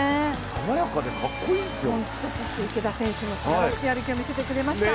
そして池田選手もすばらしい歩きをみせてくれました。